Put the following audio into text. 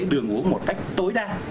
đường uống một cách tối đa